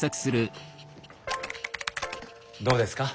どうですか？